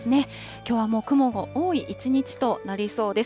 きょうはもう雲の多い一日となりそうです。